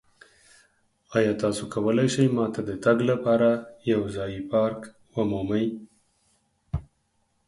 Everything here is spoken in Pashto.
ایا تاسو کولی شئ ما ته د تګ لپاره یو ځایی پارک ومومئ؟